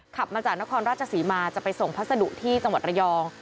ขับมาจากนครราชศรีมาจะไปส่งพัสดุที่จังหวัดระยอง